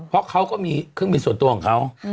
เพราะเขาก็มีเครื่องบินส่วนตัวของเขา